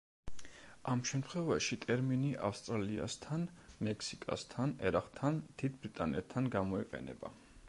ამ შემთხვევაში ტერმინი ავსტრალიასთან, მექსიკასთან, ერაყთან, დიდ ბრიტანეთთან გამოიყენება.